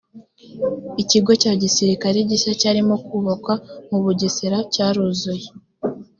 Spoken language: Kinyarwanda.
ikigo cya gisirikare gishya cyarimo kubakwa mu bugesera cyaruzuye